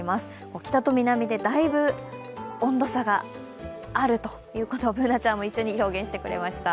北と南でだいぶ温度差があることをＢｏｏｎａちゃんも表現してくれました。